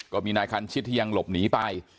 ก็มีนายคันชิดที่ยังหลบหนีไป